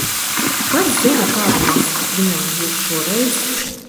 Kas zina, kāda maska viņam būs šoreiz?